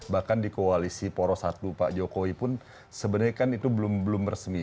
bahkan di koalisi poros satu pak jokowi pun sebenarnya kan itu belum resmi